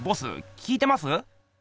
聞いてます？